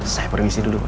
saya permisi dulu pak